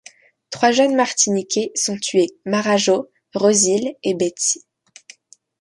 Trois jeunes martiniquais sont tués: Marajo, Rosile et Betzi.